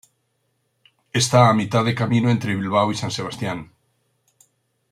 Está a mitad de camino entre Bilbao y San Sebastián.